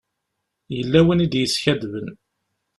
Yella win i d-yeskadben.